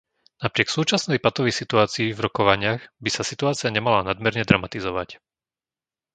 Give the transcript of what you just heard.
Napriek súčasnej patovej situácii v rokovaniach by sa situácia nemala nadmerne dramatizovať.